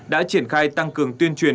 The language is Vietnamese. đã triển khai tăng cường tuyên truyền